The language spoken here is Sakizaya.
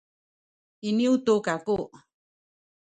iniyu tu kaku